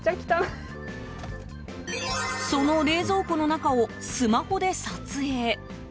その冷蔵庫の中をスマホで撮影。